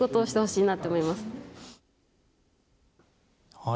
はい。